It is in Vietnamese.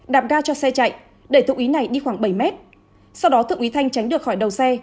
đạp ga cho xe chạy đẩy thượng úy này đi khoảng bảy m sau đó thượng úy thanh tránh được khỏi đầu xe